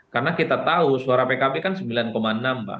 karena kita tahu suara pkb kan sembilan enam pak